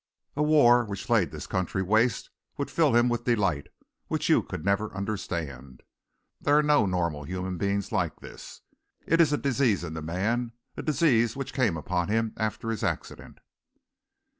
A war which laid this country waste would fill him with a delight which you could never understand. There are no normal human beings like this. It is a disease in the man, a disease which came upon him after his accident."